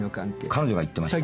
彼女が言ってました。